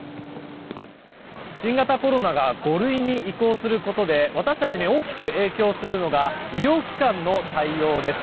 新型コロナが５類に移行することで私たちに大きく影響するのが医療機関の対応です。